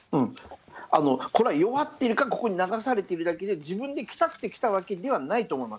これは弱っているからここに流されているだけで、自分で来たくて来たわけではないと思います。